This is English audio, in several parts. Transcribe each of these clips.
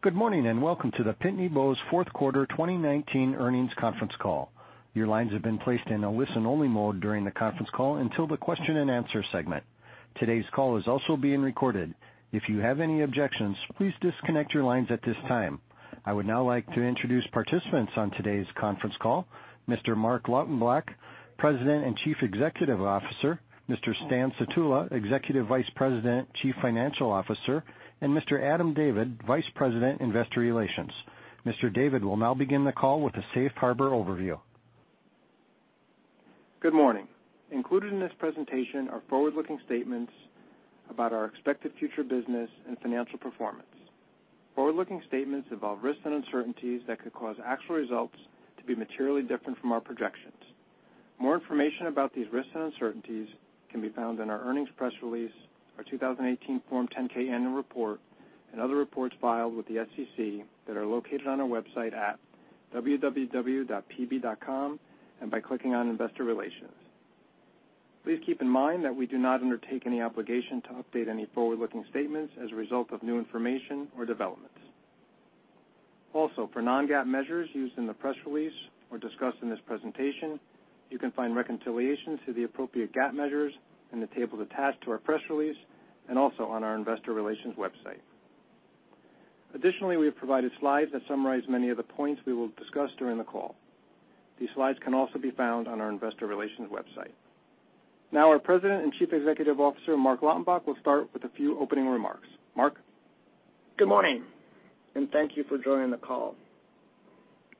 Good morning, and welcome to the Pitney Bowes Q4 2019 earnings conference call. Your lines have been placed in a listen-only mode during the conference call until the question and answer segment. Today's call is also being recorded. If you have any objections, please disconnect your lines at this time. I would now like to introduce participants on today's conference call, Mr. Marc Lautenbach, President and Chief Executive Officer, Mr. Stanley Sutula, Executive Vice President, Chief Financial Officer, and Mr. Adam David, Vice President, Investor Relations. Mr. David will now begin the call with a safe harbor overview. Good morning. Included in this presentation are forward-looking statements about our expected future business and financial performance. Forward-looking statements involve risks and uncertainties that could cause actual results to be materially different from our projections. More information about these risks and uncertainties can be found in our earnings press release, our 2018 Form 10-K annual report, and other reports filed with the SEC that are located on our website at www.pb.com and by clicking on Investor Relations. Please keep in mind that we do not undertake any obligation to update any forward-looking statements as a result of new information or developments. Also, for non-GAAP measures used in the press release or discussed in this presentation, you can find reconciliations to the appropriate GAAP measures in the table attached to our press release and also on our investor relations website. We have provided slides that summarize many of the points we will discuss during the call. These slides can also be found on our investor relations website. Our President and Chief Executive Officer, Marc Lautenbach, will start with a few opening remarks. Marc? Good morning, and thank you for joining the call.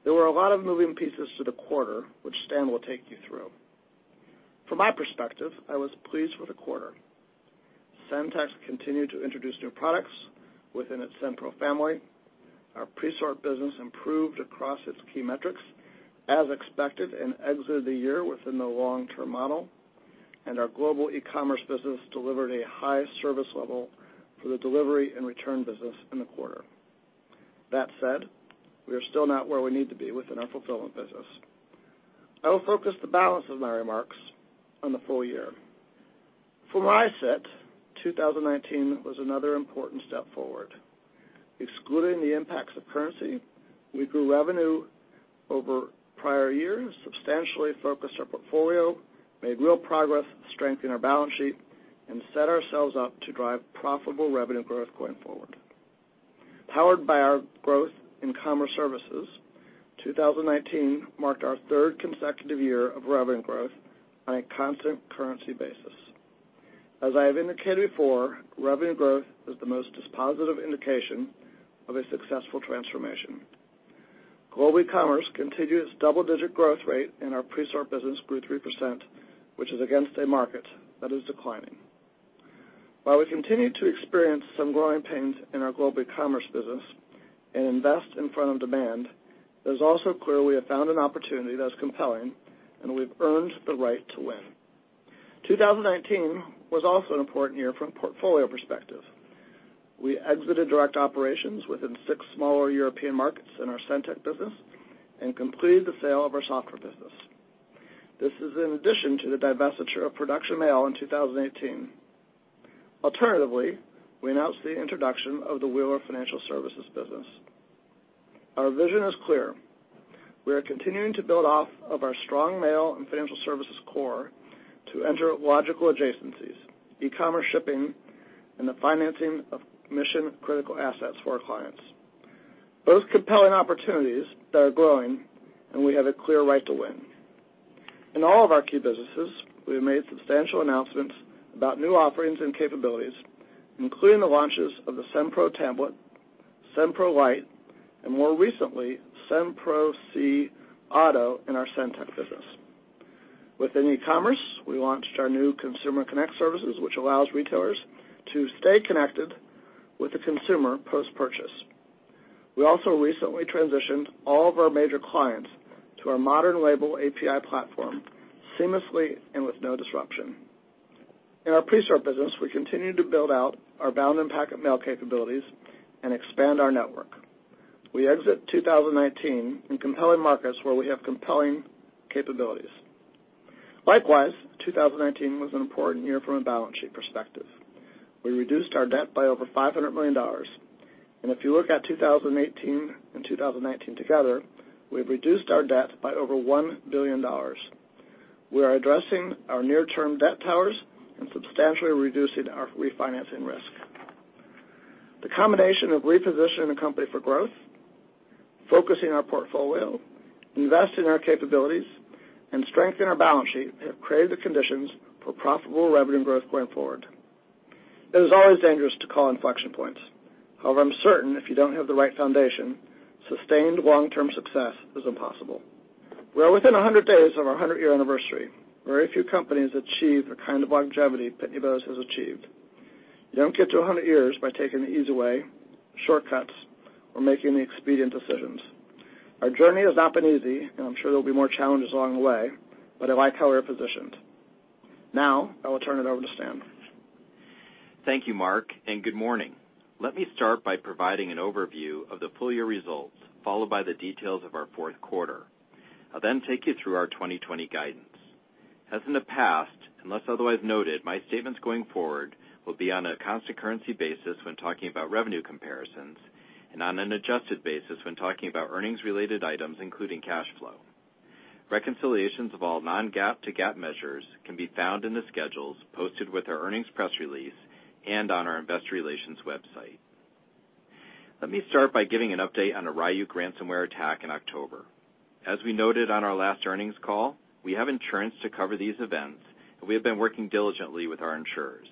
There were a lot of moving pieces to the quarter, which Stan will take you through. From my perspective, I was pleased with the quarter. SendTech has continued to introduce new products within its SendPro family. Our Presort business improved across its key metrics as expected and exited the year within the long-term model. Our Global Ecommerce business delivered a high service level for the delivery and return business in the quarter. That said, we are still not where we need to be within our fulfillment business. I will focus the balance of my remarks on the full year. From my set, 2019 was another important step forward. Excluding the impacts of currency, we grew revenue over prior years, substantially focused our portfolio, made real progress to strengthen our balance sheet, and set ourselves up to drive profitable revenue growth going forward. Powered by our growth in commerce services, 2019 marked our third consecutive year of revenue growth on a constant currency basis. As I have indicated before, revenue growth is the most positive indication of a successful transformation. Global Ecommerce continued its double-digit growth rate, and our Presort business grew 3%, which is against a market that is declining. While we continue to experience some growing pains in our Global Ecommerce business and invest in front of demand, it is also clear we have found an opportunity that is compelling, and we've earned the right to win. 2019 was also an important year from a portfolio perspective. We exited direct operations within six smaller European markets in our SendTech business and completed the sale of our software business. This is in addition to the divestiture of Production Mail in 2018. Alternatively, we announced the introduction of the Wheeler Financial Services business. Our vision is clear. We are continuing to build off of our strong mail and financial services core to enter logical adjacencies, e-commerce shipping, and the financing of mission-critical assets for our clients. Both compelling opportunities that are growing, and we have a clear right to win. In all of our key businesses, we have made substantial announcements about new offerings and capabilities, including the launches of the SendPro Tablet, SendPro Lite, and more recently, SendPro C Auto in our SendTech business. Within e-commerce, we launched our new Consumer Connect services, which allows retailers to stay connected with the consumer post-purchase. We also recently transitioned all of our major clients to our modern label API platform seamlessly and with no disruption. In our Presort business, we continue to build out our bound and packet mail capabilities and expand our network. We exit 2019 in compelling markets where we have compelling capabilities. Likewise, 2019 was an important year from a balance sheet perspective. We reduced our debt by over $500 million. If you look at 2018 and 2019 together, we've reduced our debt by over $1 billion. We are addressing our near-term debt towers and substantially reducing our refinancing risk. The combination of repositioning the company for growth, focusing our portfolio, investing in our capabilities, and strengthening our balance sheet have created the conditions for profitable revenue growth going forward. It is always dangerous to call inflection points. However, I'm certain if you don't have the right foundation, sustained long-term success is impossible. We are within 100 days of our 100-year anniversary. Very few companies achieve the kind of longevity Pitney Bowes has achieved. You don't get to 100 years by taking the easy way, shortcuts, or making the expedient decisions. Our journey has not been easy, and I'm sure there'll be more challenges along the way, but I like how we're positioned. Now, I will turn it over to Stanley Sutula. Thank you, Marc, and good morning. Let me start by providing an overview of the full-year results, followed by the details of our Q4. I'll then take you through our 2020 guidance As in the past, unless otherwise noted, my statements going forward will be on a constant currency basis when talking about revenue comparisons, and on an adjusted basis when talking about earnings-related items, including cash flow. Reconciliations of all non-GAAP to GAAP measures can be found in the schedules posted with our earnings press release and on our investor relations website. Let me start by giving an update on the Ryuk ransomware attack in October. As we noted on our last earnings call, we have insurance to cover these events, and we have been working diligently with our insurers.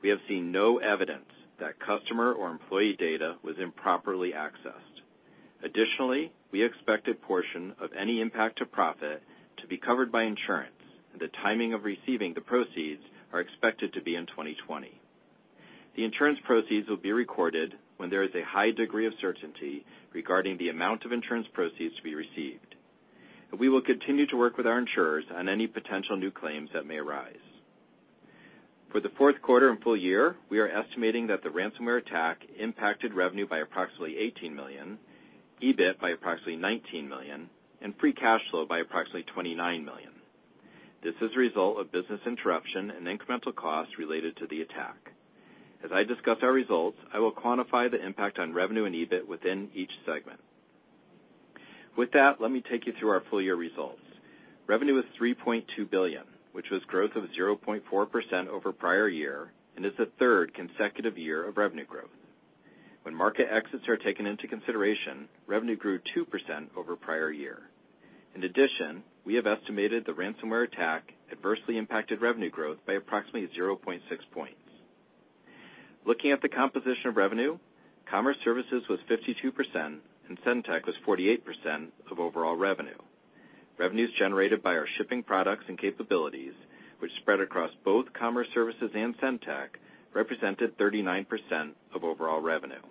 We have seen no evidence that customer or employee data was improperly accessed. Additionally, we expect a portion of any impact to profit to be covered by insurance, and the timing of receiving the proceeds are expected to be in 2020. The insurance proceeds will be recorded when there is a high degree of certainty regarding the amount of insurance proceeds to be received. We will continue to work with our insurers on any potential new claims that may arise. For the Q4 and full year, we are estimating that the ransomware attack impacted revenue by approximately $18 million, EBIT by approximately $19 million, and free cash flow by approximately $29 million. This is a result of business interruption and incremental costs related to the attack. As I discuss our results, I will quantify the impact on revenue and EBIT within each segment. With that, let me take you through our full year results. Revenue was $3.2 billion, which was growth of 0.4% over prior year and is the third consecutive year of revenue growth. When market exits are taken into consideration, revenue grew 2% over prior year. In addition, we have estimated the ransomware attack adversely impacted revenue growth by approximately 0.6 points. Looking at the composition of revenue, Commerce Services was 52% and SendTech was 48% of overall revenue. Revenues generated by our shipping products and capabilities, which spread across both Commerce Services and SendTech, represented 39% of overall revenue.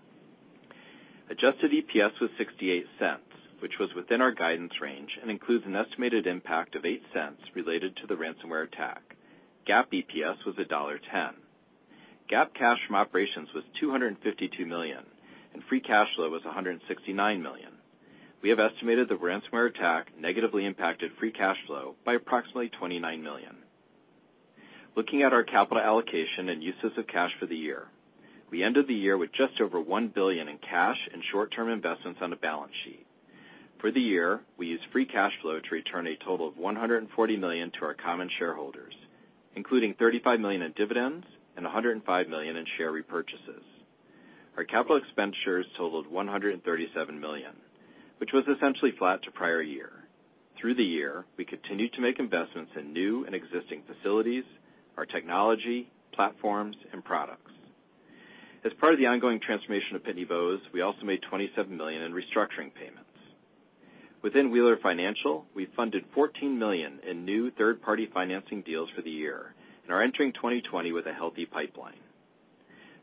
Adjusted EPS was $0.68, which was within our guidance range and includes an estimated impact of $0.08 related to the ransomware attack. GAAP EPS was $1.10. GAAP cash from operations was $252 million and free cash flow was $169 million. We have estimated the ransomware attack negatively impacted free cash flow by approximately $29 million. Looking at our capital allocation and uses of cash for the year. We ended the year with just over $1 billion in cash and short-term investments on the balance sheet. For the year, we used free cash flow to return a total of $140 million to our common shareholders, including $35 million in dividends and $105 million in share repurchases. Our capital expenditures totaled $137 million, which was essentially flat to prior year. Through the year, we continued to make investments in new and existing facilities, our technology, platforms, and products. As part of the ongoing transformation of Pitney Bowes, we also made $27 million in restructuring payments. Within Wheeler Financial, we funded $14 million in new third-party financing deals for the year and are entering 2020 with a healthy pipeline.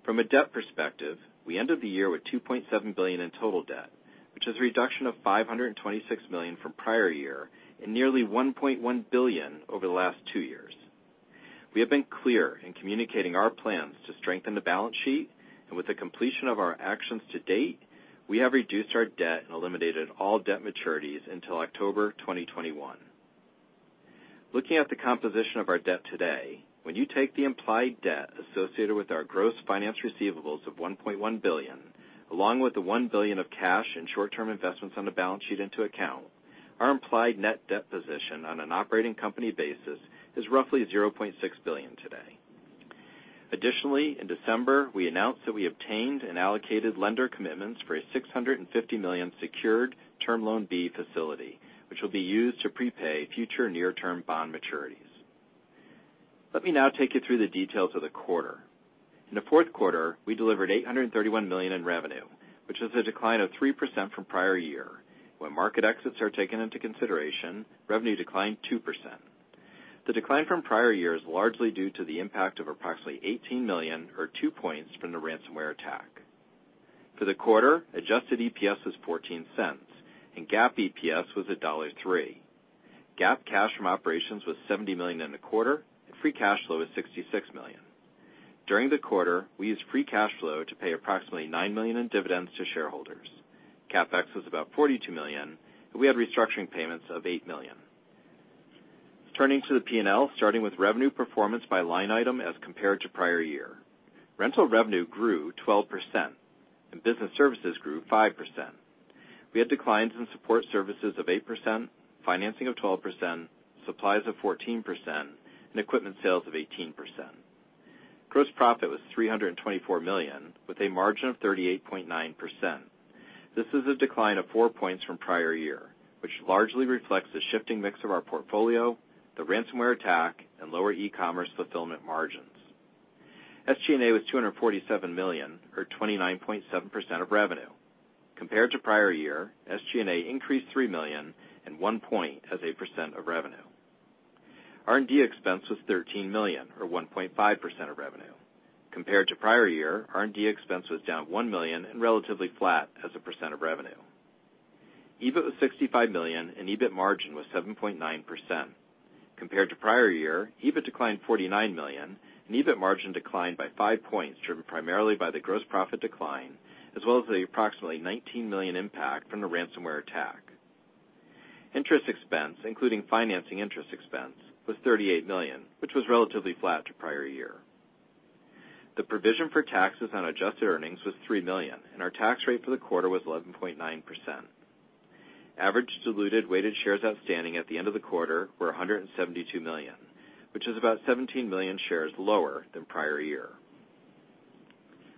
From a debt perspective, we ended the year with $2.7 billion in total debt, which is a reduction of $526 million from prior year and nearly $1.1 billion over the last two years. We have been clear in communicating our plans to strengthen the balance sheet, and with the completion of our actions to-date, we have reduced our debt and eliminated all debt maturities until October 2021. Looking at the composition of our debt today, when you take the implied debt associated with our gross finance receivables of $1.1 billion, along with the $1 billion of cash and short-term investments on the balance sheet into account, our implied net debt position on an operating company basis is roughly $0.6 billion today. Additionally, in December, we announced that we obtained and allocated lender commitments for a $650 million secured Term Loan B facility, which will be used to prepay future near-term bond maturities. Let me now take you through the details of the quarter. In the Q4, we delivered $831 million in revenue, which is a decline of 3% from prior year. When market exits are taken into consideration, revenue declined 2%. The decline from prior year is largely due to the impact of approximately $18 million or two points from the ransomware attack. For the quarter, adjusted EPS was $0.14 and GAAP EPS was $1.03. GAAP cash from operations was $70 million in the quarter, and free cash flow was $66 million. During the quarter, we used free cash flow to pay approximately $9 million in dividends to shareholders. CapEx was about $42 million, and we had restructuring payments of $8 million. Turning to the P&L, starting with revenue performance by line item as compared to prior year. Rental revenue grew 12% and business services grew 5%. We had declines in support services of 8%, financing of 12%, supplies of 14%, and equipment sales of 18%. Gross profit was $324 million, with a margin of 38.9%. This is a decline of 4 points from prior year, which largely reflects the shifting mix of our portfolio, the ransomware attack, and lower e-commerce fulfillment margins. SG&A was $247 million or 29.7% of revenue. Compared to prior year, SG&A increased $3 million and one point as a percent of revenue. R&D expense was $13 million or 1.5% of revenue. Compared to prior year, R&D expense was down $1 million and relatively flat as a percent of revenue. EBIT was $65 million and EBIT margin was 7.9%. Compared to prior year, EBIT declined $49 million and EBIT margin declined by 5 points, driven primarily by the gross profit decline as well as the approximately $19 million impact from the ransomware attack. Interest expense, including financing interest expense, was $38 million, which was relatively flat to prior year. The provision for taxes on adjusted earnings was $3 million, and our tax rate for the quarter was 11.9%. Average diluted weighted shares outstanding at the end of the quarter were 172 million, which is about 17 million shares lower than prior year.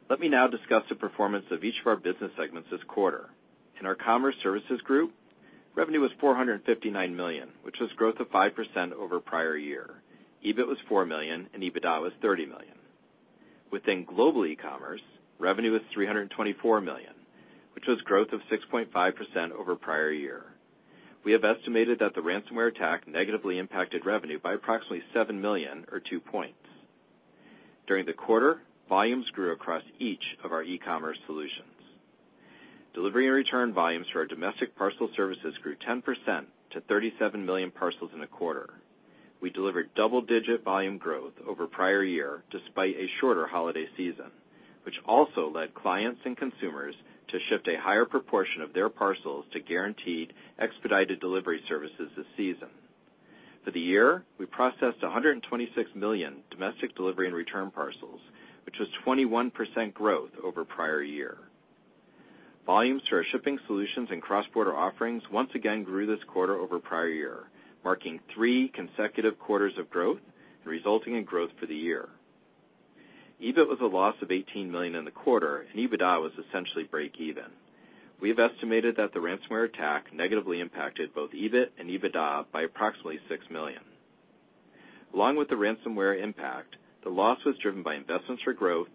Let me now discuss the performance of each of our business segments this quarter. In our Commerce Services Group, revenue was $459 million, which was growth of 5% over prior year. EBIT was $4 million, and EBITDA was $30 million. Within Global Ecommerce, revenue was $324 million, which was growth of 6.5% over prior year. We have estimated that the ransomware attack negatively impacted revenue by approximately $7 million or 2 points. During the quarter, volumes grew across each of our e-commerce solutions. Delivery and return volumes for our domestic parcel services grew 10% to 37 million parcels in the quarter. We delivered double-digit volume growth over prior year despite a shorter holiday season, which also led clients and consumers to shift a higher proportion of their parcels to guaranteed expedited delivery services this season. For the year, we processed 126 million domestic delivery and return parcels, which was 21% growth over prior year. Volumes to our shipping solutions and cross-border offerings once again grew this quarter over prior year, marking three consecutive quarters of growth and resulting in growth for the year. EBIT was a loss of $18 million in the quarter, and EBITDA was essentially breakeven. We have estimated that the ransomware attack negatively impacted both EBIT and EBITDA by approximately $6 million. Along with the ransomware impact, the loss was driven by investments for growth,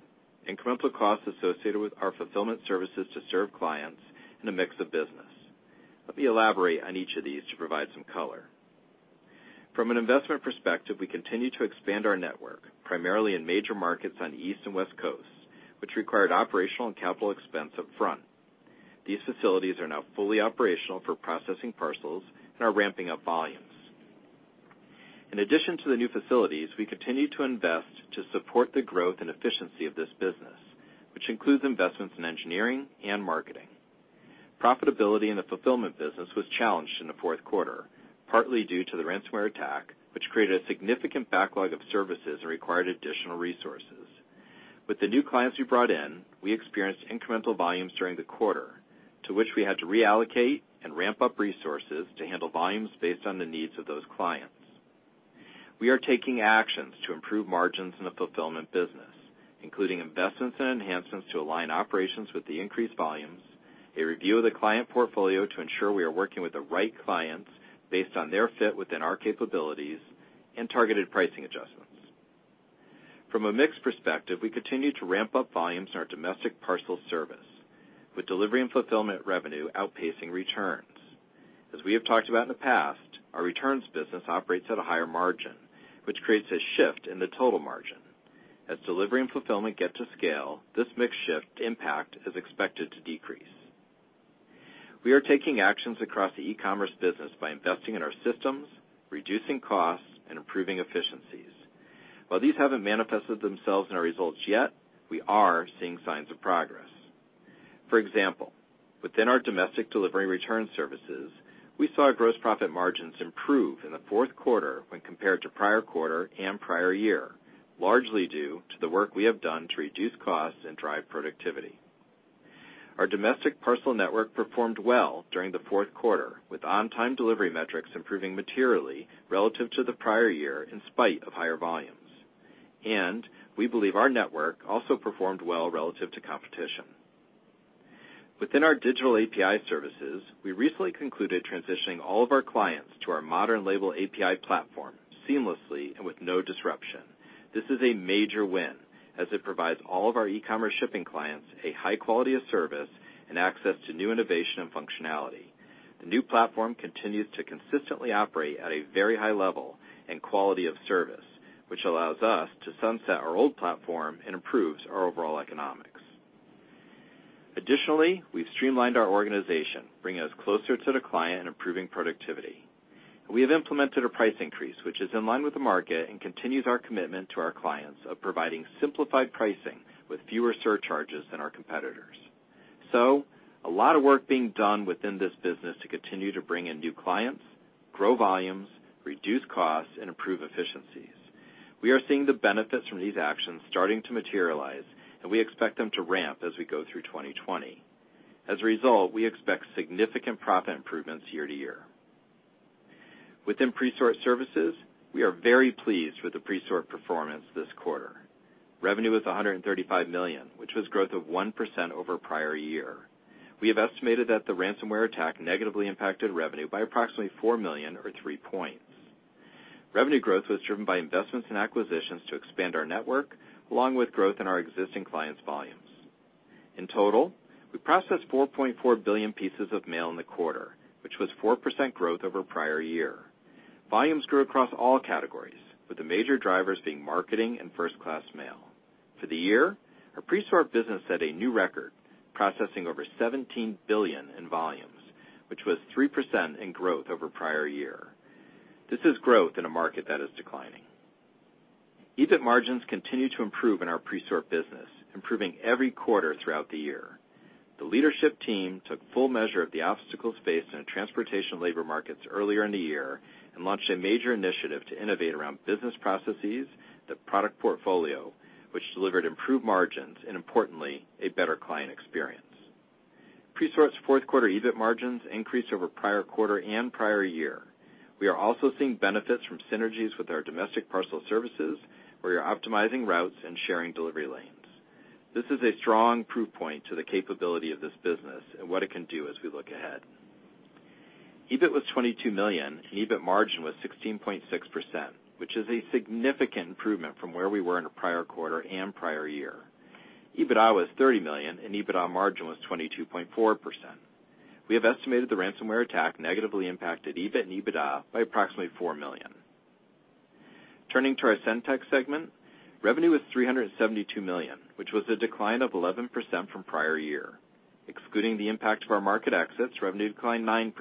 incremental costs associated with our fulfillment services to serve clients, and a mix of business. Let me elaborate on each of these to provide some color. From an investment perspective, we continue to expand our network, primarily in major markets on the East and West Coasts, which required operational and capital expense up front. These facilities are now fully operational for processing parcels and are ramping up volumes. In addition to the new facilities, we continue to invest to support the growth and efficiency of this business, which includes investments in engineering and marketing. Profitability in the fulfillment business was challenged in the Q4, partly due to the ransomware attack, which created a significant backlog of services and required additional resources. With the new clients we brought in, we experienced incremental volumes during the quarter, to which we had to reallocate and ramp up resources to handle volumes based on the needs of those clients. We are taking actions to improve margins in the fulfillment business, including investments and enhancements to align operations with the increased volumes, a review of the client portfolio to ensure we are working with the right clients based on their fit within our capabilities, and targeted pricing adjustments. From a mix perspective, we continue to ramp up volumes in our domestic parcel service, with delivery and fulfillment revenue outpacing returns. As we have talked about in the past, our returns business operates at a higher margin, which creates a shift in the total margin. As delivery and fulfillment get to scale, this mix shift impact is expected to decrease. We are taking actions across the e-commerce business by investing in our systems, reducing costs, and improving efficiencies. While these haven't manifested themselves in our results yet, we are seeing signs of progress. For example, within our domestic delivery return services, we saw gross profit margins improve in the Q4 when compared to prior quarter and prior year, largely due to the work we have done to reduce costs and drive productivity. Our domestic parcel network performed well during the Q4, with on-time delivery metrics improving materially relative to the prior year in spite of higher volumes. We believe our network also performed well relative to competition. Within our digital API services, we recently concluded transitioning all of our clients to our modern label API platform seamlessly and with no disruption. This is a major win, as it provides all of our e-commerce shipping clients a high quality of service and access to new innovation and functionality. The new platform continues to consistently operate at a very high level and quality of service, which allows us to sunset our old platform and improves our overall economics. Additionally, we've streamlined our organization, bringing us closer to the client and improving productivity. We have implemented a price increase, which is in line with the market and continues our commitment to our clients of providing simplified pricing with fewer surcharges than our competitors. A lot of work being done within this business to continue to bring in new clients, grow volumes, reduce costs, and improve efficiencies. We are seeing the benefits from these actions starting to materialize, and we expect them to ramp as we go through 2020. As a result, we expect significant profit improvements year-to-year. Within Presort Services, we are very pleased with the Presort performance this quarter. Revenue was $135 million, which was growth of 1% over prior year. We have estimated that the ransomware attack negatively impacted revenue by approximately $4 million or 3 points. Revenue growth was driven by investments in acquisitions to expand our network, along with growth in our existing clients' volumes. In total, we processed 4.4 billion pieces of mail in the quarter, which was 4% growth over prior year. Volumes grew across all categories, with the major drivers being marketing and first-class mail. For the year, our Presort business set a new record, processing over 17 billion in volumes, which was 3% in growth over prior year. This is growth in a market that is declining. EBIT margins continue to improve in our Presort business, improving every quarter throughout the year. The leadership team took full measure of the obstacles faced in our transportation and labor markets earlier in the year and launched a major initiative to innovate around business processes, the product portfolio, which delivered improved margins, and importantly, a better client experience. Presort's Q4 EBIT margins increased over prior quarter and prior year. We are also seeing benefits from synergies with our domestic parcel services, where you're optimizing routes and sharing delivery lanes. This is a strong proof point to the capability of this business and what it can do as we look ahead. EBIT was $22 million, and EBIT margin was 16.6%, which is a significant improvement from where we were in the prior quarter and prior year. EBITDA was $30 million, and EBITDA margin was 22.4%. We have estimated the ransomware attack negatively impacted EBIT and EBITDA by approximately $4 million. Turning to our SendTech segment, revenue was $372 million, which was a decline of 11% from prior year. Excluding the impact of our market exits, revenue declined 9%.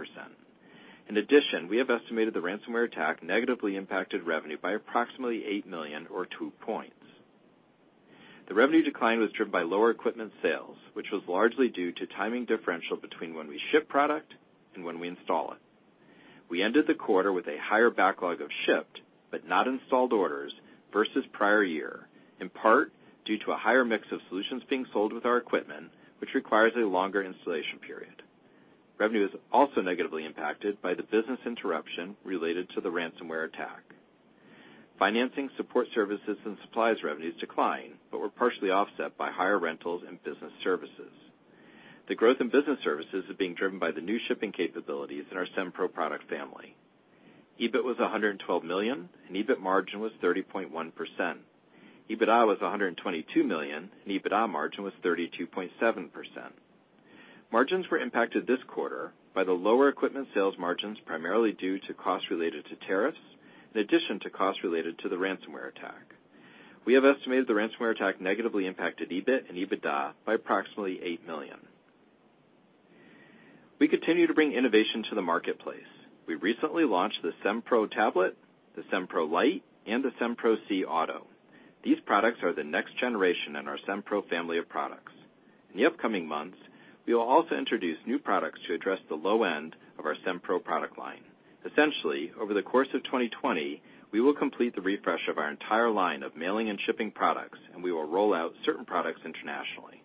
In addition, we have estimated the ransomware attack negatively impacted revenue by approximately $8 million or 2 points. The revenue decline was driven by lower equipment sales, which was largely due to timing differential between when we ship product and when we install it. We ended the quarter with a higher backlog of shipped but not installed orders versus prior year, in part due to a higher mix of solutions being sold with our equipment, which requires a longer installation period. Revenue is also negatively impacted by the business interruption related to the ransomware attack. Financing support services and supplies revenues declined but were partially offset by higher rentals and business services. The growth in business services is being driven by the new shipping capabilities in our SendPro product family. EBIT was $112 million, and EBIT margin was 30.1%. EBITDA was $122 million, and EBITDA margin was 32.7%. Margins were impacted this quarter by the lower equipment sales margins, primarily due to costs related to tariffs, in addition to costs related to the ransomware attack. We have estimated the ransomware attack negatively impacted EBIT and EBITDA by approximately $8 million. We continue to bring innovation to the marketplace. We recently launched the SendPro Tablet, the SendPro Lite, and the SendPro C Auto. These products are the next generation in our SendPro family of products. In the upcoming months, we will also introduce new products to address the low end of our SendPro product line. Essentially, over the course of 2020, we will complete the refresh of our entire line of mailing and shipping products, and we will roll out certain products internationally.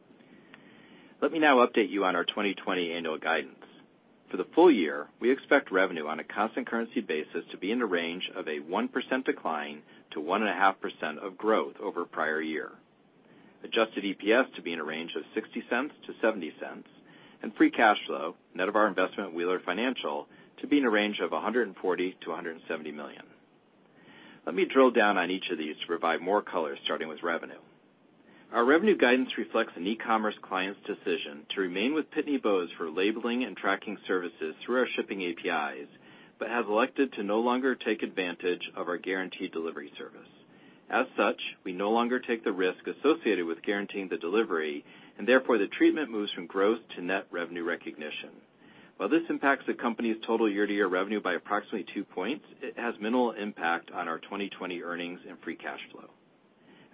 Let me now update you on our 2020 annual guidance. For the full year, we expect revenue on a constant currency basis to be in the range of a 1% decline - 1.5% of growth over prior year. Adjusted EPS to be in a range of $0.60-$0.70, and free cash flow, net of our investment at Wheeler Financial, to be in a range of $140 million-$170 million. Let me drill down on each of these to provide more color, starting with revenue. Our revenue guidance reflects an e-commerce client's decision to remain with Pitney Bowes for labeling and tracking services through our shipping APIs, but have elected to no longer take advantage of our guaranteed delivery service. As such, we no longer take the risk associated with guaranteeing the delivery, and therefore, the treatment moves from growth to net revenue recognition. While this impacts the company's total year-to-year revenue by approximately two points, it has minimal impact on our 2020 earnings and free cash flow.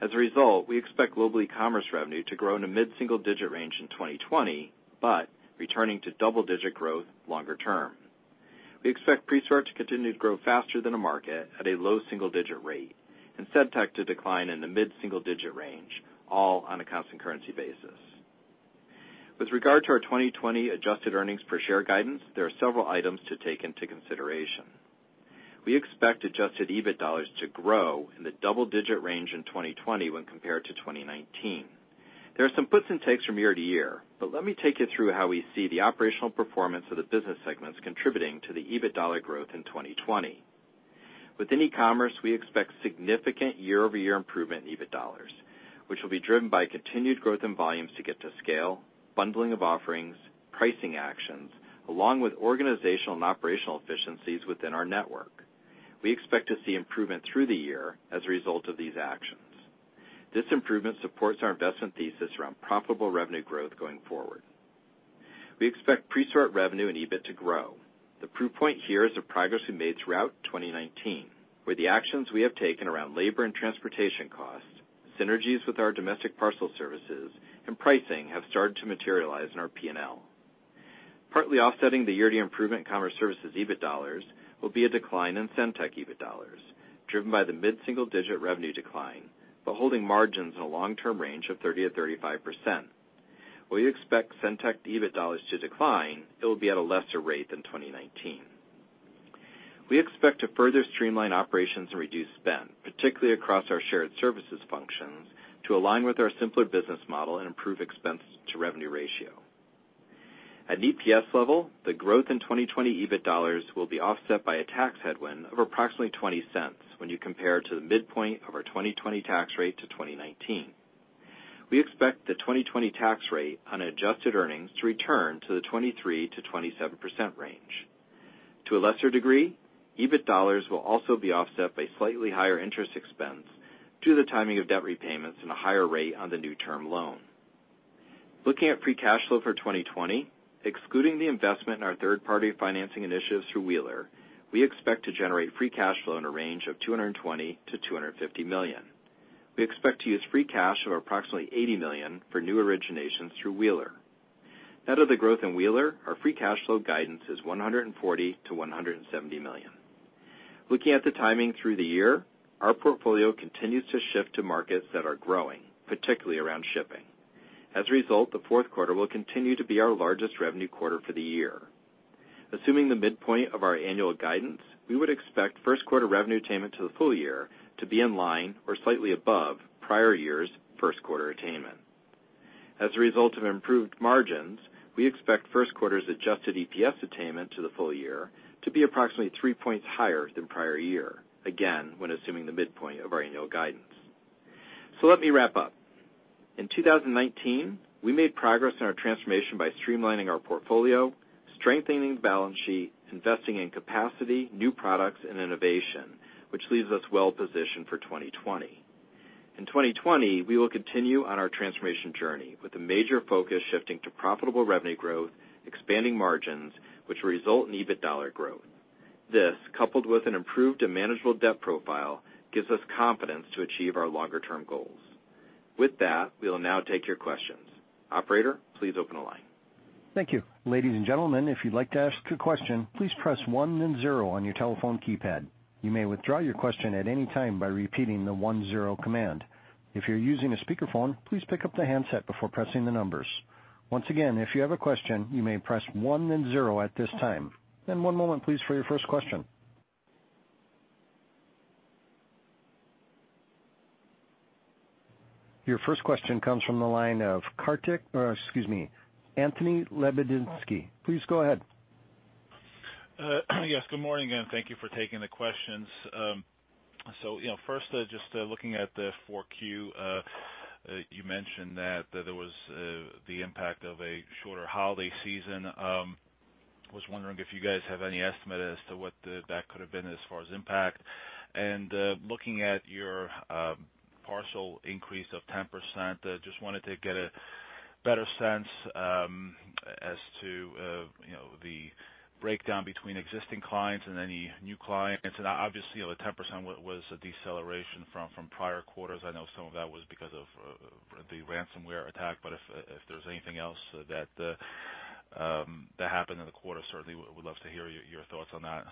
As a result, we expect Global Ecommerce revenue to grow in the mid-single digit range in 2020, but returning to double-digit growth longer term. We expect Presort to continue to grow faster than the market at a low single-digit rate and SendTech to decline in the mid-single digit range, all on a constant currency basis. With regard to our 2020 adjusted earnings per share guidance, there are several items to take into consideration. We expect adjusted EBIT dollars to grow in the double-digit range in 2020 when compared to 2019. There are some puts and takes from year-to-year, but let me take you through how we see the operational performance of the business segments contributing to the EBIT dollar growth in 2020. Within Ecommerce, we expect significant year-over-year improvement in EBIT dollars, which will be driven by continued growth in volumes to get to scale, bundling of offerings, pricing actions, along with organizational and operational efficiencies within our network. We expect to see improvement through the year as a result of these actions. This improvement supports our investment thesis around profitable revenue growth going forward. We expect Presort revenue and EBIT to grow. The proof point here is the progress we made throughout 2019, where the actions we have taken around labor and transportation costs, synergies with our domestic parcel services, and pricing have started to materialize in our P&L. Partly offsetting the year-to-year improvement in commerce services EBIT dollars will be a decline in SendTech EBIT dollars, driven by the mid-single-digit revenue decline, but holding margins in a long-term range of 30%-35%. While we expect SendTech EBIT dollars to decline, it will be at a lesser rate than 2019. We expect to further streamline operations and reduce spend, particularly across our shared services functions, to align with our simpler business model and improve expense to revenue ratio. At an EPS level, the growth in 2020 EBIT dollars will be offset by a tax headwind of approximately $0.20 when you compare to the midpoint of our 2020 tax rate to 2019. We expect the 2020 tax rate on adjusted earnings to return to the 23%-27% range. To a lesser degree, EBIT dollars will also be offset by slightly higher interest expense due to the timing of debt repayments and a higher rate on the new term loan. Looking at free cash flow for 2020, excluding the investment in our third-party financing initiatives through Wheeler, we expect to generate free cash flow in a range of $220 million-$250 million. We expect to use free cash of approximately $80 million for new originations through Wheeler. Net of the growth in Wheeler, our free cash flow guidance is $140 million-$170 million. Looking at the timing through the year, our portfolio continues to shift to markets that are growing, particularly around shipping. The Q4 will continue to be our largest revenue quarter for the year. Assuming the midpoint of our annual guidance, we would expect Q1 revenue attainment to the full year to be in line or slightly above prior year's Q1 attainment. As a result of improved margins, we expect Q1's adjusted EPS attainment to the full year to be approximately 3 points higher than prior year, again, when assuming the midpoint of our annual guidance. Let me wrap up. In 2019, we made progress in our transformation by streamlining our portfolio, strengthening the balance sheet, investing in capacity, new products and innovation, which leaves us well-positioned for 2020. In 2020, we will continue on our transformation journey with a major focus shifting to profitable revenue growth, expanding margins, which will result in EBIT dollar growth. This, coupled with an improved and manageable debt profile, gives us confidence to achieve our longer-term goals. With that, we will now take your questions. Operator, please open the line. Thank you. Ladies and gentlemen, if you'd like to ask a question, please press one then zero on your telephone keypad. You may withdraw your question at any time by repeating the one-zero command. If you're using a speakerphone, please pick up the handset before pressing the numbers. Once again, if you have a question, you may press one then zero at this time. One moment, please, for your first question. Your first question comes from the line of Anthony Lebiedzinski. Please go ahead. Yes, good morning, thank you for taking the questions. First, just looking at the Q4, you mentioned that there was the impact of a shorter holiday season. I was wondering if you guys have any estimate as to what that could have been as far as impact. Looking at your parcel increase of 10%, I just wanted to get a better sense as to the breakdown between existing clients and any new clients. Obviously, the 10% was a deceleration from prior quarters. I know some of that was because of the ransomware attack, but if there's anything else that happened in the quarter, certainly would love to hear your thoughts on that.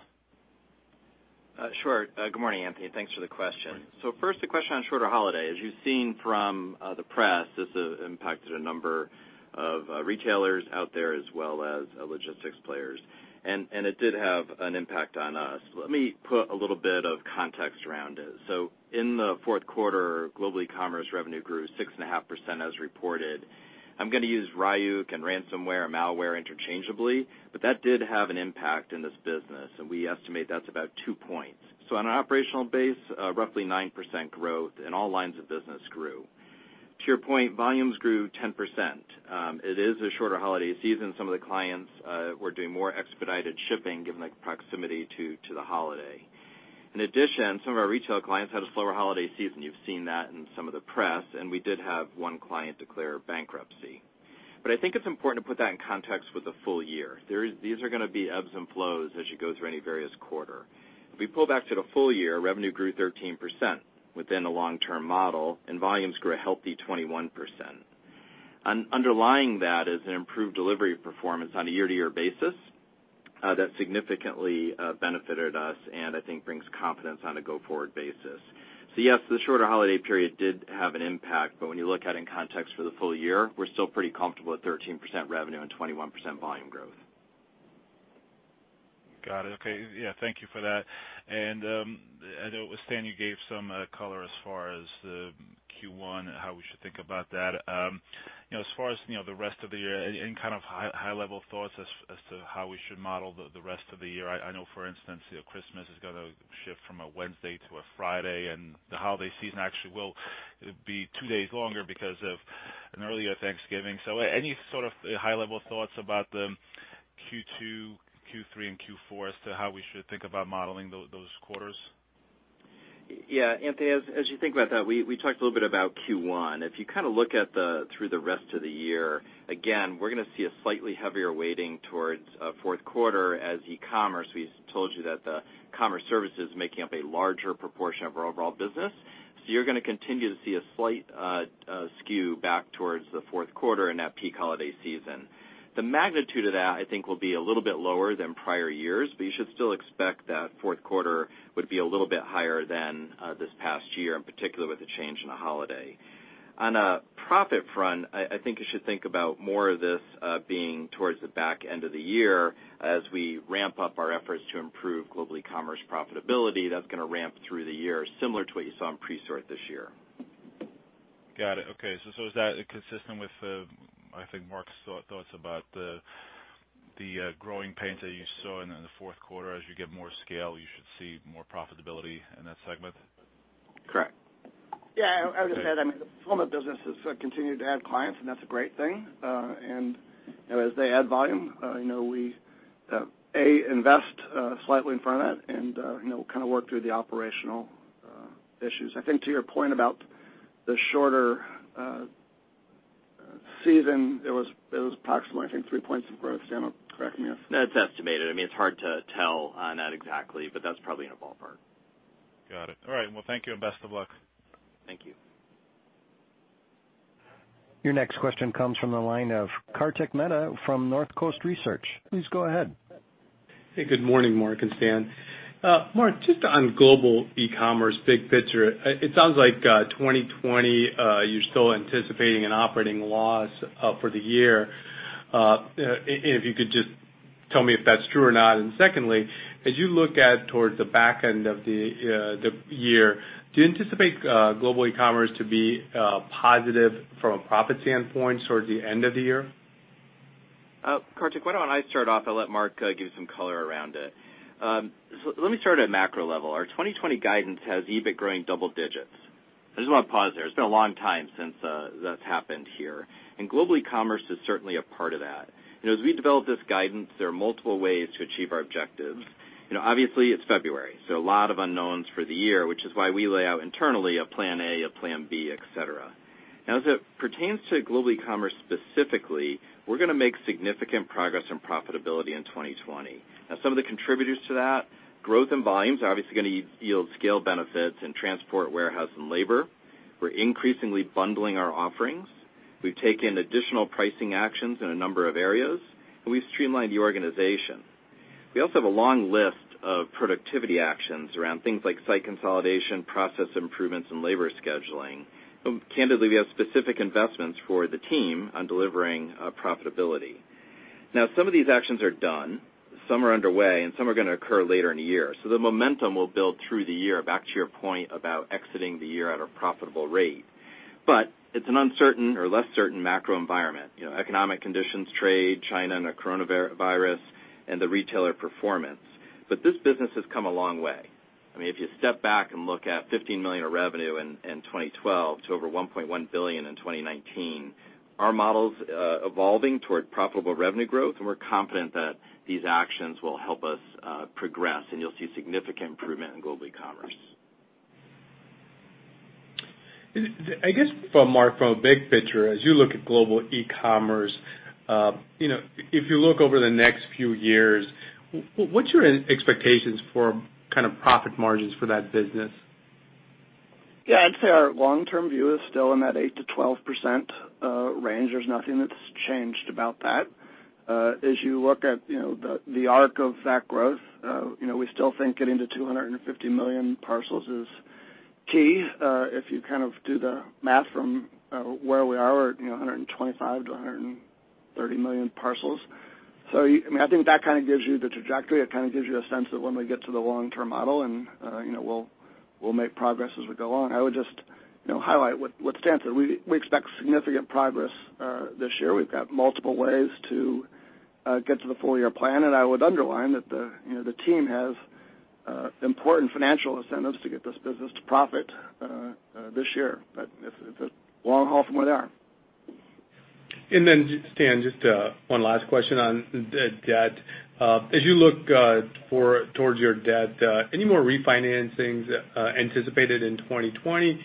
Good morning, Anthony. Thanks for the question. First, the question on shorter holiday. As you've seen from the press, this has impacted a number of retailers out there as well as logistics players. It did have an impact on us. Let me put a little bit of context around it. In the Q4, Global Ecommerce revenue grew 6.5% as reported. I'm going to use Ryuk and ransomware and malware interchangeably, but that did have an impact in this business, and we estimate that's about 2 points. On an operational base, roughly 9% growth, and all lines of business grew. To your point, volumes grew 10%. It is a shorter holiday season. Some of the clients were doing more expedited shipping given the proximity to the holiday. In addition, some of our retail clients had a slower holiday season. You've seen that in some of the press, and we did have one client declare bankruptcy. I think it's important to put that in context with the full year. These are going to be ebbs and flows as you go through any various quarter. If we pull back to the full year, revenue grew 13% within the long-term model, and volumes grew a healthy 21%. Underlying that is an improved delivery performance on a year-to-year basis that significantly benefited us and I think brings confidence on a go-forward basis. Yes, the shorter holiday period did have an impact, but when you look at it in context for the full year, we're still pretty comfortable at 13% revenue and 21% volume growth. Got it. Okay. Yeah, thank you for that. I know it was Stanley Sutula, you gave some color as far as the Q1, how we should think about that. As far as the rest of the year, any kind of high-level thoughts as to how we should model the rest of the year? I know, for instance, Christmas is going to shift from a Wednesday to a Friday, and the holiday season actually will be two days longer because of an earlier Thanksgiving. Any sort of high-level thoughts about the Q2, Q3, and Q4 as to how we should think about modeling those quarters? Anthony Lebiedzinski, as you think about that, we talked a little bit about Q1. If you look through the rest of the year, again, we're going to see a slightly heavier weighting towards Q4 as Ecommerce. We told you that the commerce service is making up a larger proportion of our overall business. You're going to continue to see a slight skew back towards the Q4 and that peak holiday season. The magnitude of that, I think, will be a little bit lower than prior years, but you should still expect that Q4 would be a little bit higher than this past year, in particular with the change in the holiday. On a profit front, I think you should think about more of this being towards the back end of the year as we ramp up our efforts to improve Global Ecommerce profitability. That's going to ramp through the year, similar to what you saw in Presort this year. Got it. Okay. Is that consistent with, I think, Marc's thoughts about the growing pains that you saw in the Q4? As you get more scale, you should see more profitability in that segment? Correct. Yeah, I would just add, the fulfillment business has continued to add clients. That's a great thing. As they add volume, we, A, invest slightly in front of it and we'll work through the operational issues. I think to your point about the shorter season, it was approximately, I think, 3 points of growth. Stanley Sutula, correct me if. No, it's estimated. It's hard to tell on that exactly, but that's probably in the ballpark. Got it. All right. Well, thank you and best of luck. Thank you. Your next question comes from the line of Kartik Mehta from Northcoast Research. Please go ahead. Hey, good morning, Marc and Stan. Marc, just on Global Ecommerce, big picture, it sounds like 2020, you're still anticipating an operating loss for the year. If you could just tell me if that's true or not. Secondly, as you look at towards the back end of the year, do you anticipate Global Ecommerce to be positive from a profit standpoint towards the end of the year? Kartik, why don't I start off? I'll let Marc give some color around it. Let me start at macro level. Our 2020 guidance has EBIT growing double digits. I just want to pause there. It's been a long time since that's happened here, and Global Ecommerce is certainly a part of that. As we develop this guidance, there are multiple ways to achieve our objectives. Obviously, it's February, so a lot of unknowns for the year, which is why we lay out internally a plan A, a plan B, et cetera. As it pertains to Global Ecommerce specifically, we're going to make significant progress on profitability in 2020. Some of the contributors to that, growth and volumes are obviously going to yield scale benefits in transport, warehouse, and labor. We're increasingly bundling our offerings. We've taken additional pricing actions in a number of areas, and we've streamlined the organization. We also have a long list of productivity actions around things like site consolidation, process improvements, and labor scheduling. Candidly, we have specific investments for the team on delivering profitability. Some of these actions are done, some are underway, and some are going to occur later in the year. The momentum will build through the year, back to your point about exiting the year at a profitable rate. It's an uncertain or less certain macro environment, economic conditions, trade, China, and the coronavirus, and the retailer performance. This business has come a long way. If you step back and look at $15 million of revenue in 2012 to over $1.1 billion in 2019, our model's evolving toward profitable revenue growth, and we're confident that these actions will help us progress, and you'll see significant improvement in Global Ecommerce. I guess from Marc, from a big picture, as you look at Global Ecommerce, if you look over the next few years, what's your expectations for kind of profit margins for that business? I'd say our long-term view is still in that 8%-12% range. There's nothing that's changed about that. As you look at the arc of that growth, we still think getting to 250 million parcels is key. If you do the math from where we are, we're at 125 million-130 million parcels. I think that kind of gives you the trajectory. It kind of gives you a sense that when we get to the long-term model, and we'll make progress as we go along. I would just highlight what Stanley said. We expect significant progress this year. We've got multiple ways to get to the full-year plan, and I would underline that the team has important financial incentives to get this business to profit this year. It's a long haul from where they are. Stanley Sutula, just one last question on debt. As you look towards your debt, any more refinancings anticipated in 2020?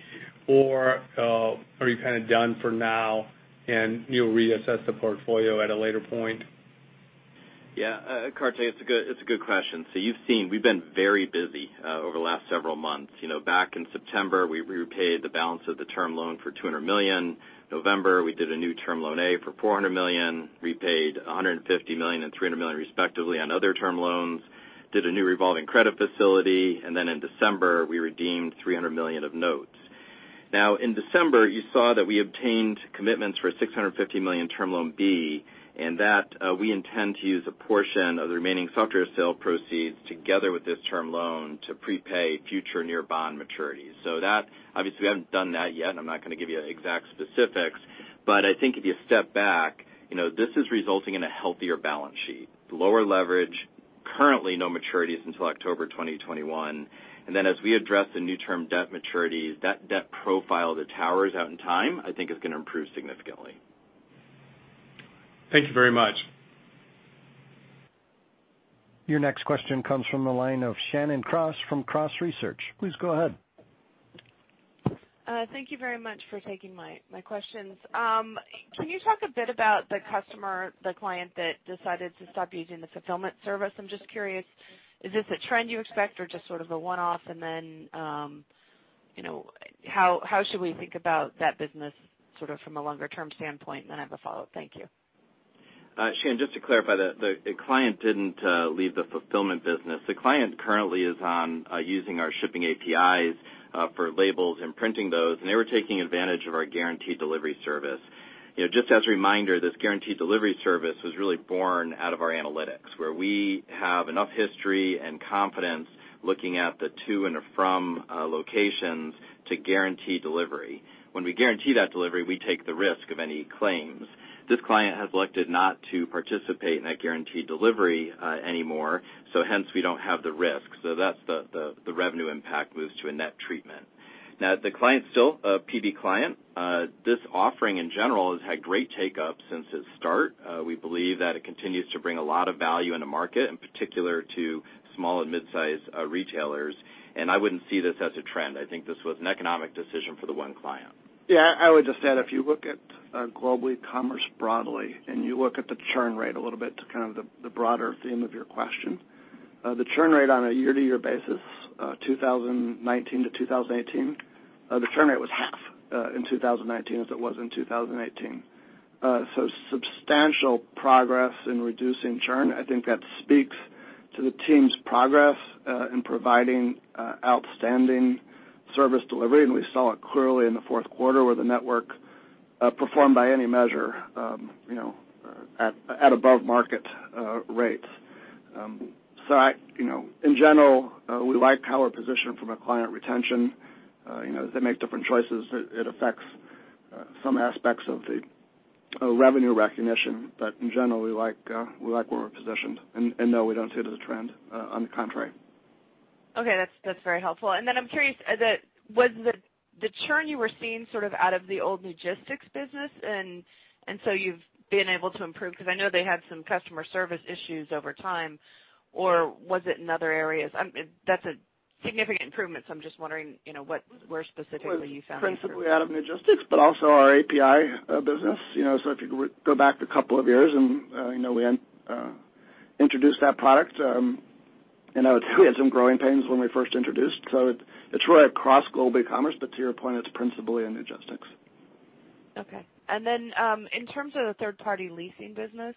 Are you kind of done for now and you'll reassess the portfolio at a later point? Kartik, it's a good question. You've seen, we've been very busy over the last several months. Back in September, we repaid the balance of the term loan for $200 million. November, we did a new Term Loan A for $400 million, repaid $150 million and $300 million respectively on other term loans, did a new revolving credit facility, in December, we redeemed $300 million of notes. In December, you saw that we obtained commitments for a $650 million Term Loan B, that we intend to use a portion of the remaining software sale proceeds together with this term loan to prepay future near bond maturities. That, obviously, we haven't done that yet, and I'm not going to give you exact specifics, but I think if you step back, this is resulting in a healthier balance sheet, lower leverage, currently no maturities until October 2021. Then as we address the new term debt maturities, that debt profile that towers out in time, I think is going to improve significantly. Thank you very much. Your next question comes from the line of Shannon Cross from Cross Research. Please go ahead. Thank you very much for taking my questions. Can you talk a bit about the customer, the client that decided to stop using the fulfillment service? I'm just curious, is this a trend you expect or just sort of a one-off? How should we think about that business sort of from a longer-term standpoint? I have a follow-up. Thank you. Shannon, just to clarify, the client didn't leave the fulfillment business. The client currently is on using our shipping APIs for labels and printing those, and they were taking advantage of our guaranteed delivery service. Just as a reminder, this guaranteed delivery service was really born out of our analytics, where we have enough history and confidence looking at the to and the from locations to guarantee delivery. When we guarantee that delivery, we take the risk of any claims. This client has elected not to participate in that guaranteed delivery anymore. Hence, we don't have the risk. That's the revenue impact moves to a net treatment. The client's still a PB client. This offering in general has had great take up since its start. We believe that it continues to bring a lot of value in the market, in particular to small and mid-size retailers. I wouldn't see this as a trend. I think this was an economic decision for the one client. I would just add, if you look at Global Ecommerce broadly, and you look at the churn rate a little bit to kind of the broader theme of your question, the churn rate on a year-to-year basis, 2019 to 2018, the churn rate was half in 2019 as it was in 2018. Substantial progress in reducing churn. I think that speaks to the team's progress, in providing outstanding service delivery. We saw it clearly in the Q4 where the network performed by any measure at above market rates. In general, we like how we're positioned from a client retention. They make different choices, it affects some aspects of the revenue recognition. In general, we like where we're positioned and, no, we don't see it as a trend, on the contrary. Okay. That's very helpful. I'm curious, was the churn you were seeing sort of out of the old logistics business and so you've been able to improve, because I know they had some customer service issues over time, or was it in other areas? That's a significant improvement, so I'm just wondering where specifically you found it. Principally out of logistics, but also our API business. If you go back a couple of years and we introduced that product, and we had some growing pains when we first introduced. It's really across Global Ecommerce, but to your point, it's principally in logistics. Okay. In terms of the third party leasing business,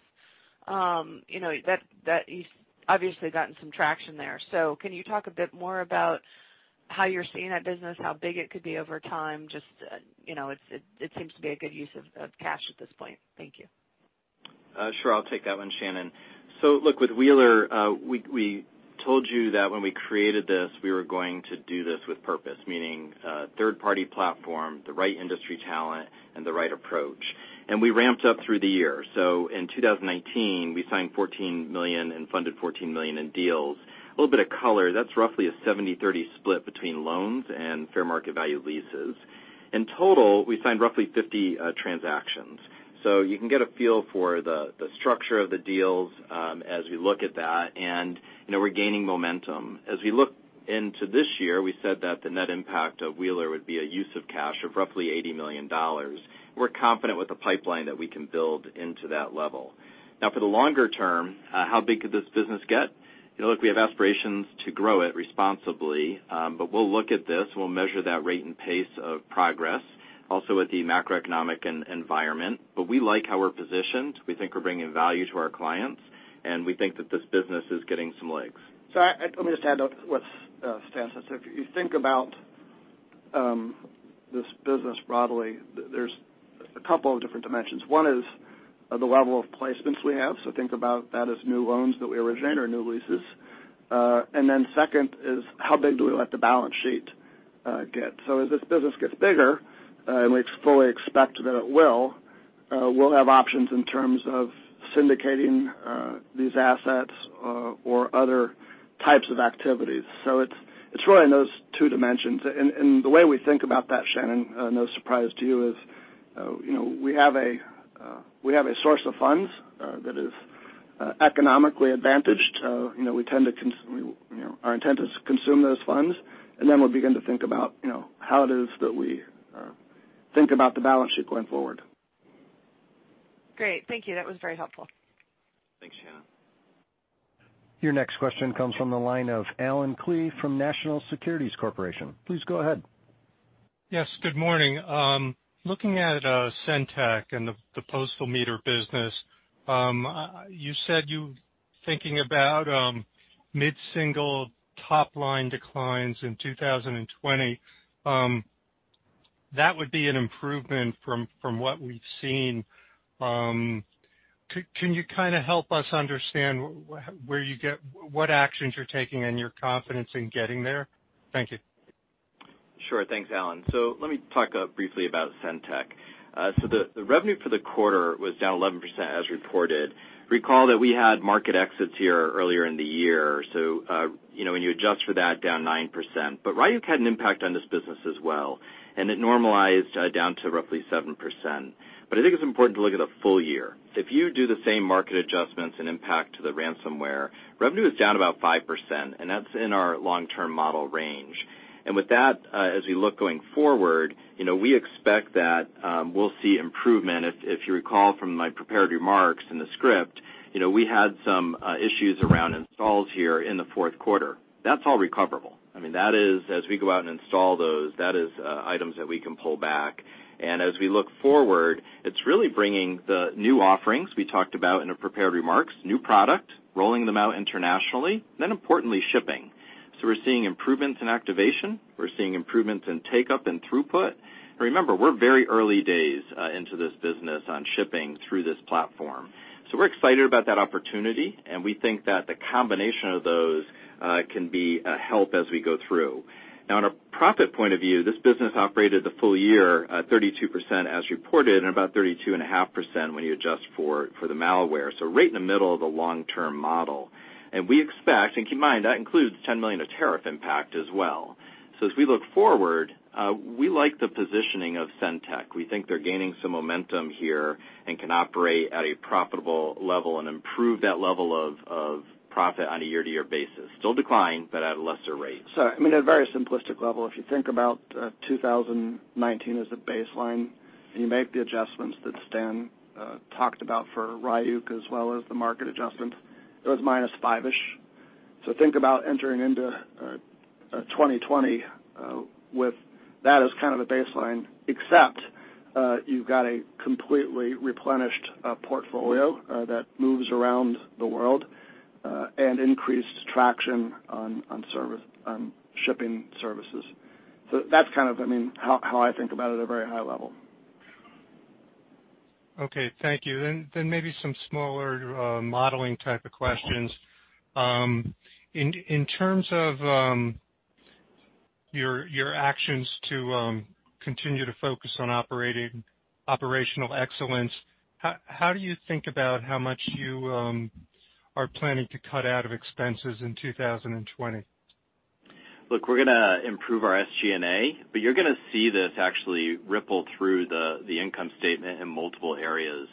you've obviously gotten some traction there. Can you talk a bit more about how you're seeing that business, how big it could be over time? Just it seems to be a good use of cash at this point. Thank you. Sure. I'll take that one, Shannon. Look, with Wheeler, we told you that when we created this, we were going to do this with purpose, meaning, third-party platform, the right industry talent and the right approach. We ramped up through the year. In 2019, we signed $14 million and funded $14 million in deals. A little bit of color, that's roughly a 70/30 split between loans and fair market value leases. In total, we signed roughly 50 transactions. You can get a feel for the structure of the deals as we look at that and we're gaining momentum. As we look into this year, we said that the net impact of Wheeler would be a use of cash of roughly $80 million. We're confident with the pipeline that we can build into that level. For the longer-term, how big could this business get? Look, we have aspirations to grow it responsibly, we'll look at this, we'll measure that rate and pace of progress also with the macroeconomic environment. We like how we're positioned. We think we're bringing value to our clients, and we think that this business is getting some legs. Let me just add on what Stanley Sutula said. If you think about this business broadly, there's a couple of different dimensions. One is the level of placements we have. Think about that as new loans that we originate or new leases. Second is how big do we let the balance sheet get? As this business gets bigger, and we fully expect that it will, we'll have options in terms of syndicating these assets or other types of activities. It's really in those two dimensions. The way we think about that, Shannon, no surprise to you is we have a source of funds that is economically advantaged. Our intent is to consume those funds, and then we'll begin to think about how it is that we think about the balance sheet going forward. Great. Thank you. That was very helpful. Thanks, Shannon. Your next question comes from the line of Allen Klee from National Securities Corporation. Please go ahead. Yes, good morning. Looking at SendTech and the postal meter business, you said you thinking about mid-single top line declines in 2020. That would be an improvement from what we've seen. Can you kind of help us understand what actions you're taking and your confidence in getting there? Thank you. Sure. Thanks, Allen. Let me talk briefly about SendTech. The revenue for the quarter was down 11% as reported. Recall that we had market exits here earlier in the year. When you adjust for that, down 9%. Ryuk had an impact on this business as well, and it normalized down to roughly 7%. I think it's important to look at the full year. If you do the same market adjustments and impact to the ransomware, revenue is down about 5%, and that's in our long-term model range. With that, as we look going forward, we expect that we'll see improvement. If you recall from my prepared remarks in the script, we had some issues around installs here in the Q4. That's all recoverable. As we go out and install those, that is items that we can pull back. As we look forward, it's really bringing the new offerings we talked about in our prepared remarks, new product, rolling them out internationally, then importantly, shipping. We're seeing improvements in activation. We're seeing improvements in take-up and throughput. Remember, we're very early days into this business on shipping through this platform. We're excited about that opportunity, and we think that the combination of those can be a help as we go through. On a profit point of view, this business operated the full year at 32% as reported and about 32.5% when you adjust for the malware. Right in the middle of the long-term model. We expect, and keep in mind, that includes $10 million of tariff impact as well. As we look forward, we like the positioning of SendTech. We think they're gaining some momentum here and can operate at a profitable level and improve that level of profit on a year-to-year basis. Still decline, but at a lesser rate. Sorry. I mean, at a very simplistic level, if you think about 2019 as the baseline, and you make the adjustments that Stanley talked about for Ryuk as well as the market adjustment, it was minus five-ish. Think about entering into 2020 with that as kind of a baseline, except you've got a completely replenished portfolio that moves around the world, and increased traction on shipping services. That's how I think about it at a very high level. Okay. Thank you. Maybe some smaller modeling type of questions. In terms of your actions to continue to focus on operational excellence, how do you think about how much you are planning to cut out of expenses in 2020? Look, we're going to improve our SG&A, you're going to see this actually ripple through the income statement in multiple areas.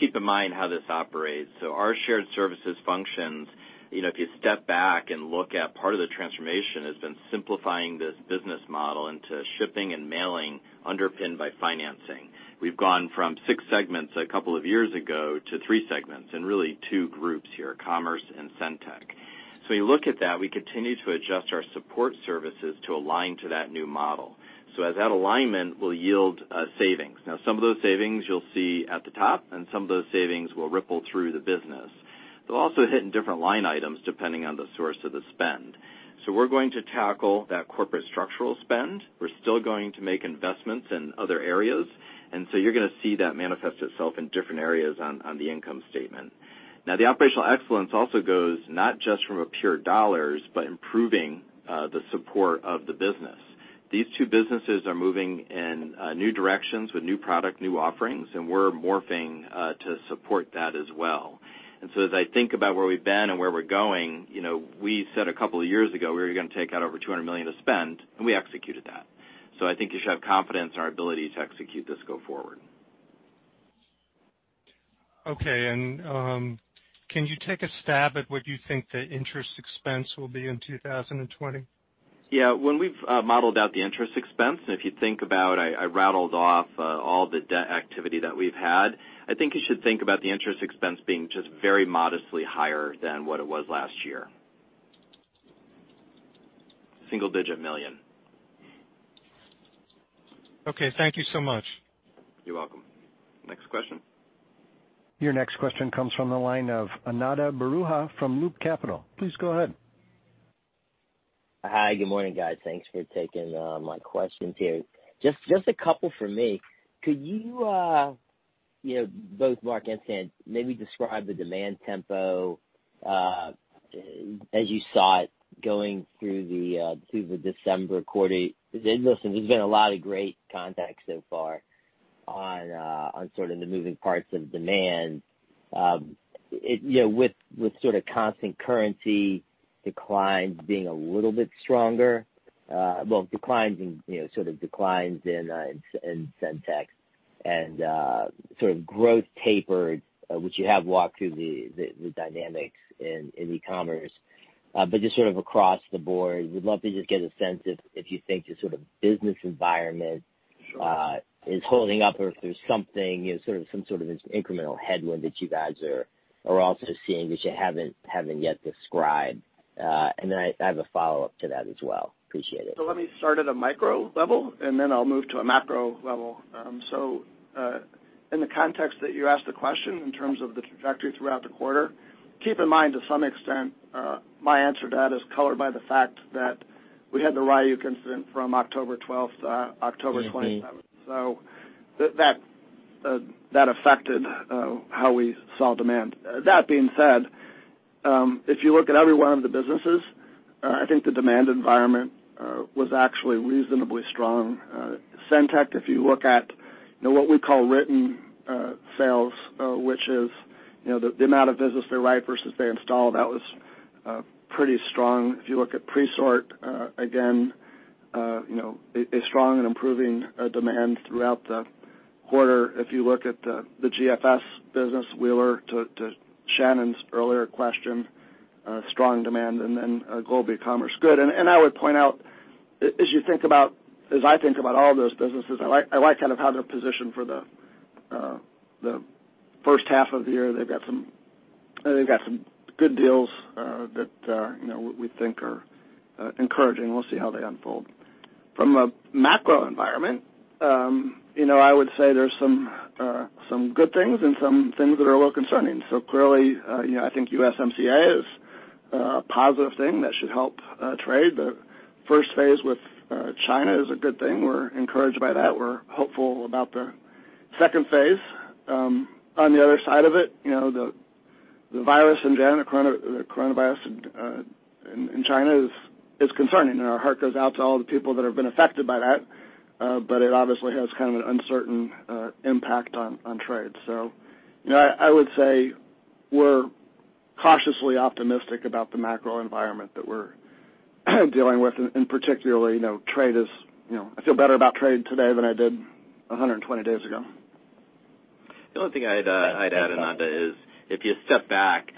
Keep in mind how this operates. Our shared services functions, if you step back and look at part of the transformation has been simplifying this business model into shipping and mailing underpinned by financing. We've gone from six segments a couple of years ago to three segments and really two groups here, Commerce and SendTech. You look at that, we continue to adjust our support services to align to that new model. As that alignment will yield savings. Now some of those savings you'll see at the top, some of those savings will ripple through the business. They'll also hit in different line items depending on the source of the spend. We're going to tackle that corporate structural spend. We're still going to make investments in other areas, and so you're going to see that manifest itself in different areas on the income statement. The operational excellence also goes not just from a pure dollars, but improving the support of the business. These two businesses are moving in new directions with new product, new offerings, and we're morphing to support that as well. As I think about where we've been and where we're going, we said a couple of years ago, we were going to take out over $200 million of spend, and we executed that. I think you should have confidence in our ability to execute this go forward. Okay. Can you take a stab at what you think the interest expense will be in 2020? Yeah. When we've modeled out the interest expense, and if you think about, I rattled off all the debt activity that we've had. I think you should think about the interest expense being just very modestly higher than what it was last year. Single-digit million. Okay. Thank you so much. You're welcome. Next question. Your next question comes from the line of Ananda Baruah from Loop Capital. Please go ahead. Hi. Good morning, guys. Thanks for taking my questions here. Just a couple from me. Could you, both Marc and Stanley, maybe describe the demand tempo as you saw it going through the December quarter. Listen, there's been a lot of great contacts so far on sort of the moving parts of demand. With sort of constant currency declines being a little bit stronger, well declines in SendTech, and sort of growth tapered, which you have walked through the dynamics in e-commerce. Just sort of across the board, we'd love to just get a sense if you think the sort of business environment is holding up or if there's some sort of incremental headwind that you guys are also seeing that you haven't yet described. I have a follow-up to that as well. Appreciate it. Let me start at a micro level, and then I'll move to a macro level. In the context that you asked the question in terms of the trajectory throughout the quarter, keep in mind, to some extent, my answer to that is colored by the fact that we had the Ryuk incident from October 12th to October 27th. Yeah. That affected how we saw demand. That being said, if you look at every one of the businesses, I think the demand environment was actually reasonably strong. SendTech, if you look at what we call written sales, which is the amount of business they write versus they install, that was pretty strong. If you look at Presort, again a strong and improving demand throughout the quarter. If you look at the Global Financial Services business, Wheeler, to Shannon's earlier question, strong demand and Global Ecommerce, good. I would point out, as I think about all of those businesses, I like kind of how they're positioned for the H1 of the year. They've got some good deals that we think are encouraging. We'll see how they unfold. From a macro environment, I would say there's some good things and some things that are a little concerning. Clearly, I think USMCA is a positive thing that should help trade. The first phase with China is a good thing. We're encouraged by that. We're hopeful about the second phase. On the other side of it, the virus in China, the coronavirus in China is concerning, and our heart goes out to all the people that have been affected by that. It obviously has kind of an uncertain impact on trade. I would say we're cautiously optimistic about the macro environment that we're dealing with, and particularly, I feel better about trade today than I did 120 days ago. The only thing I'd add, Ananda, is if you step back,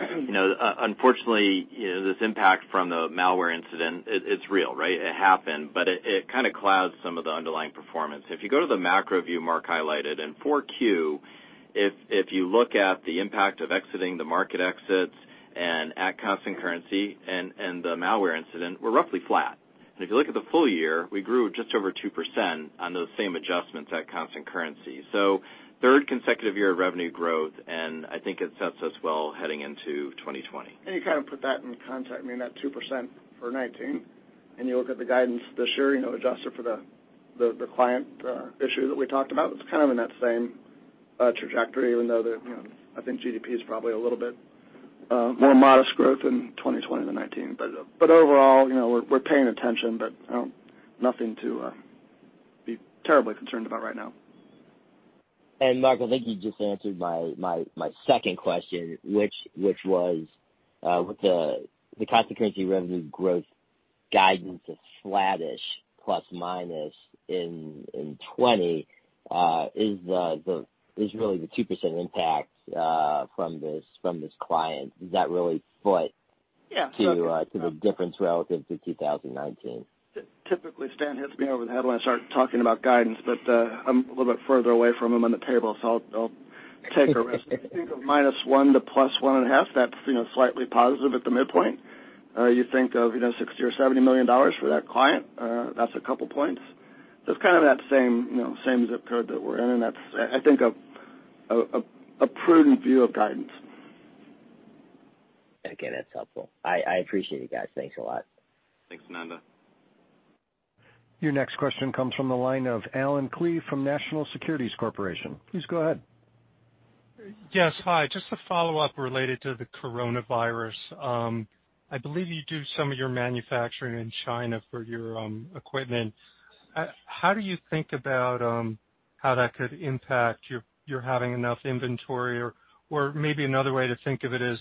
unfortunately, this impact from the malware incident, it's real, right? It happened, but it kind of clouds some of the underlying performance. If you go to the macro view Marc highlighted in Q4, if you look at the impact of exiting the market exits and at constant currency and the malware incident, we're roughly flat. If you look at the full year, we grew just over 2% on those same adjustments at constant currency. Third consecutive year of revenue growth, and I think it sets us well heading into 2020. You kind of put that in context, I mean, that 2% for 2019, and you look at the guidance this year, adjusted for the client issue that we talked about, it's kind of in that same trajectory, even though I think GDP is probably a little bit more modest growth in 2020 than 2019. Overall, we're paying attention, but nothing to be terribly concerned about right now. Marc, I think you just answered my second question, which was, with the constant currency revenue growth guidance is flattish ± in 2020. Is really the 2% impact from this client? Does that really foot? Yeah. -to the difference relative to 2019? Typically, Stan hits me over the head when I start talking about guidance, but I'm a little bit further away from him on the table, so I'll take a risk. Think of -1 to +1.5, that's slightly positive at the midpoint. You think of $60 or $70 million for that client, that's a couple points. It's kind of that same zip code that we're in, and that's, I think, a prudent view of guidance. Again, that's helpful. I appreciate it, guys. Thanks a lot. Thanks, Ananda. Your next question comes from the line of Allen Klee from National Securities Corporation. Please go ahead. Yes. Hi, just a follow-up related to the coronavirus. I believe you do some of your manufacturing in China for your equipment. How do you think about how that could impact your having enough inventory? Maybe another way to think of it is,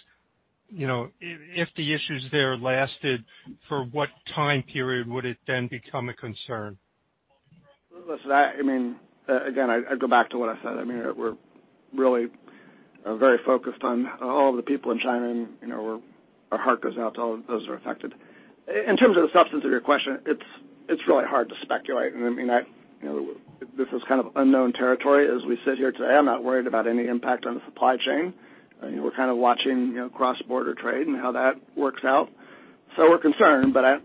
if the issues there lasted, for what time period would it then become a concern? Listen, again, I go back to what I said. We're really very focused on all of the people in China, and our heart goes out to all of those who are affected. In terms of the substance of your question, it's really hard to speculate. This is kind of unknown territory. As we sit here today, I'm not worried about any impact on the supply chain. We're kind of watching cross-border trade and how that works out. We're concerned, but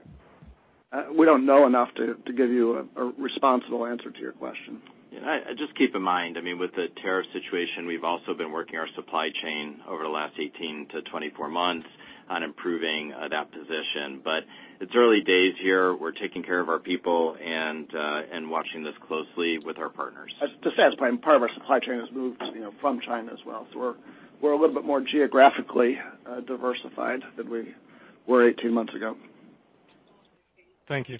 we don't know enough to give you a responsible answer to your question. Just keep in mind, with the tariff situation, we've also been working our supply chain over the last 18-24 months on improving that position. It's early days here. We're taking care of our people and watching this closely with our partners. To Stan's point, part of our supply chain has moved from China as well. We're a little bit more geographically diversified than we were 18 months ago. Thank you.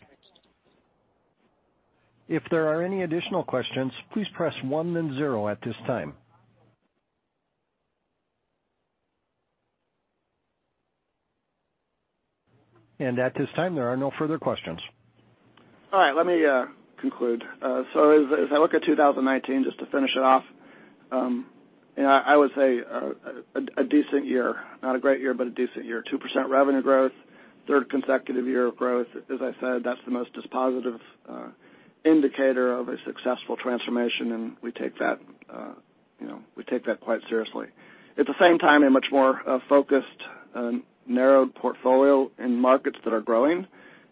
If there are any additional questions, please press one then zero at this time. At this time, there are no further questions. All right. Let me conclude. As I look at 2019, just to finish it off, I would say a decent year, not a great year, but a decent year. 2% revenue growth, third consecutive year of growth. As I said, that's the most positive indicator of a successful transformation, and we take that quite seriously. At the same time, a much more focused, narrowed portfolio in markets that are growing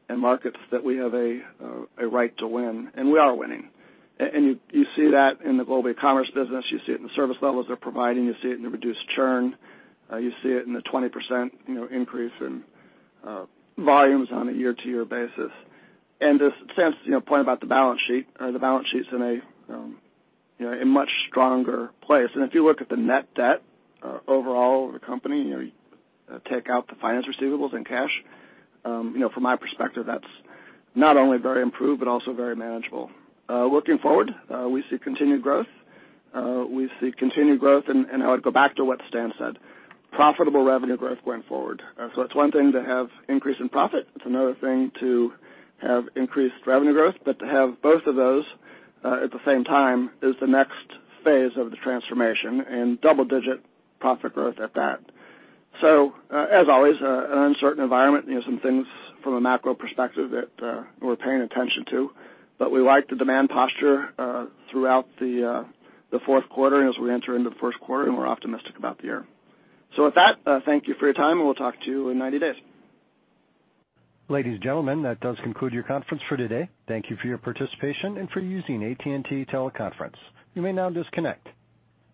and markets that we have a right to win, and we are winning. You see that in the Global Ecommerce business. You see it in the service levels they're providing. You see it in the reduced churn. You see it in the 20% increase in volumes on a year-to-year basis. To Stan's point about the balance sheet, the balance sheet's in a much stronger place. If you look at the net debt overall of the company, you take out the finance receivables and cash, from my perspective, that's not only very improved but also very manageable. Looking forward, we see continued growth. We see continued growth, and I would go back to what Stanley said, profitable revenue growth going forward. It's one thing to have increase in profit. It's another thing to have increased revenue growth. To have both of those at the same time is the next phase of the transformation, and double-digit profit growth at that. As always, an uncertain environment, some things from a macro perspective that we're paying attention to. We like the demand posture throughout the Q4, and as we enter into the Q1, and we're optimistic about the year. With that, thank you for your time, and we'll talk to you in 90 days. Ladies, gentlemen, that does conclude your conference for today. Thank you for your participation and for using AT&T Teleconference. You may now disconnect.